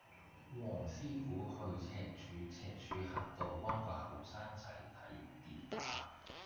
黃師傅去赤柱赤柱峽道幫個後生仔睇跌打